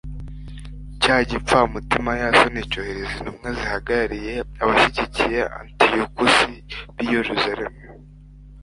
cya gipfamutima yasoni cyohereza intumwa zihagarariye abashyigikiye antiyokusi b'i yeruzalemu